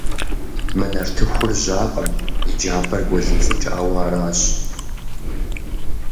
Мы нартыхур жьакъым, и джабэр гуэлынцӏыкӏауэ аращ.